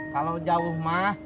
kalau jauh mah